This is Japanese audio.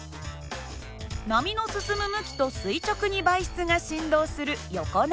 波の進む向きと垂直に媒質が振動する横波。